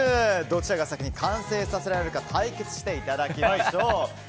どちらが先に完成させられるか対決していただきましょう。